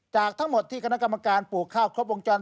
จากทั้งหมดที่คณะกรรมการปลูกข้าวครบวงจร